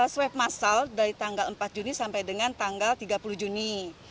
swab masal dari tanggal empat juni sampai dengan tanggal tiga puluh juni